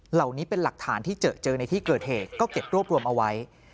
เหล่านี้เป็นหลักฐานที่เจอเจอในที่เกิดเหตุก็เก็บรวบรวมเอาไว้